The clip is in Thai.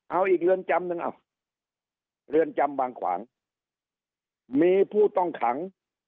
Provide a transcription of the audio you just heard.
เอาอีกเรือนจำหนึ่งอ่ะเรือนจำบางขวางมีผู้ต้องขัง